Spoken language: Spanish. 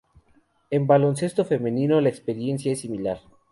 En baloncesto femenino, la experiencia es similar.